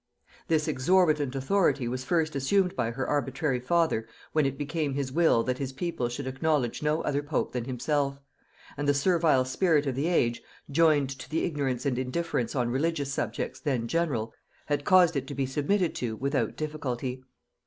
This exorbitant authority was first assumed by her arbitrary father when it became his will that his people should acknowledge no other pope than himself; and the servile spirit of the age, joined to the ignorance and indifference on religious subjects then general, had caused it to be submitted to without difficulty.